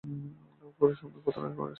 Four সবসময় প্রতারণা করে এসেছে।